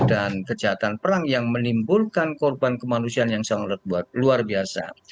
dan kejahatan perang yang menimbulkan korban kemanusiaan yang sangat luar biasa